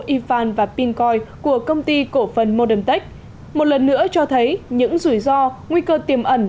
ifan và pincoin của công ty cổ phần modemtech một lần nữa cho thấy những rủi ro nguy cơ tiềm ẩn